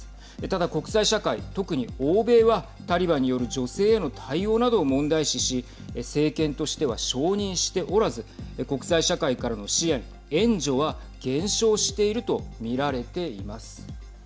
ただ国際社会、特に欧米はタリバンによる女性への対応などを問題視し政権としては承認しておらず国際社会からの支援、援助は減少していると見られています。